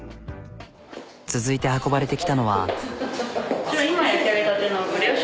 続いて運ばれてきたのは。